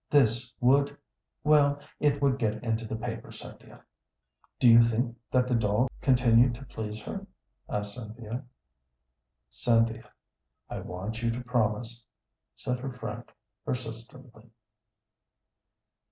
This would well, it would get into the papers, Cynthia." "Do you think that the doll continued to please her?" asked Cynthia. "Cynthia, I want you to promise," said her friend, persistently.